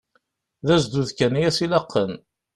D azduz kan i as-ilaqen.